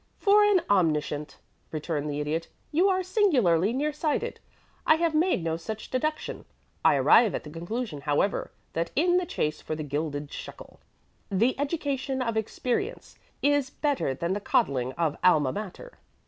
"For an omniscient," returned the Idiot, "you are singularly near sighted. I have made no such deduction. I arrive at the conclusion, however, that in the chase for the gilded shekel the education of experience is better than the coddling of Alma Mater.